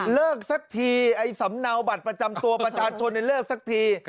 สักทีไอ้สำเนาบัตรประจำตัวประชาชนเลิกสักที